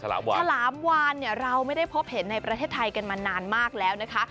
ฉลามวานเนี่ยเราไม่ได้พบเห็นในประเทศไทยกันมานานมากแล้วนะคะ